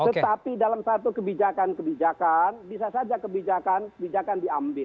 tetapi dalam satu kebijakan kebijakan bisa saja kebijakan kebijakan diambil